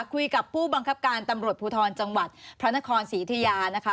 คุยกับผู้บังคับการตำรวจภูทรจังหวัดพระนครศรียุธยานะคะ